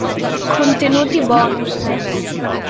Contenuti bonus